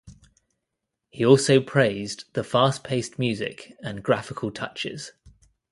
He also praised the fast-paced music and graphical touches.